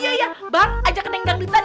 iya iya bang ajak neng dangdutan